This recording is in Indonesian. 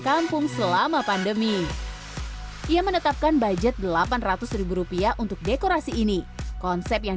kampung selama pandemi ia menetapkan budget delapan ratus rupiah untuk dekorasi ini konsep yang